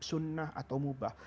sunnah atau mubah